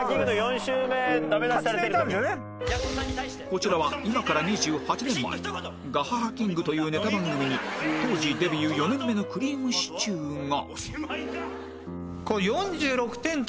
こちらは今から２８年前『ＧＡＨＡＨＡ キング』というネタ番組に当時デビュー４年目のくりぃむしちゅーが